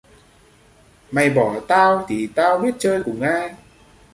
Mày bỏ tao thì tao biết chơi cùng ai